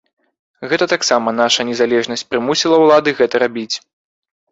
Гэта таксама наша незалежнасць прымусіла ўлады гэта рабіць.